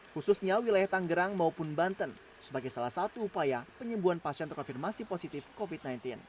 khususnya wilayah tanggerang maupun banten sebagai salah satu upaya penyembuhan pasien terkonfirmasi positif covid sembilan belas